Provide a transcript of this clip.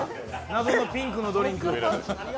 謎のピンクのドリンク。